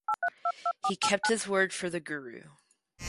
He kept his word for the guru.